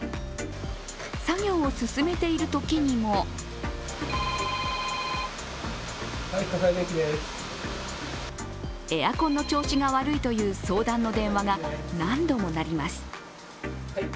作業を進めているときにもエアコンの調子が悪いという相談の電話が何度も鳴ります。